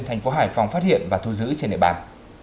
tp hải phòng phát hiện và thu giữ trên địa bàn